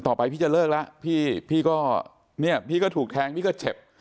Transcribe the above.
ต่อไปพี่จะเลิกแล้วพี่ก็ถูกแทงพี่ก็เฉ็บ